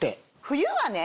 冬はね